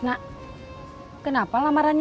kampencu kalau nanyanya